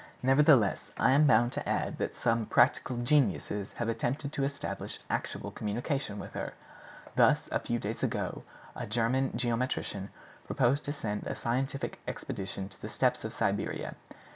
Nevertheless, I am bound to add that some practical geniuses have attempted to establish actual communication with her. Thus, a few days ago, a German geometrician proposed to send a scientific expedition to the steppes of Siberia.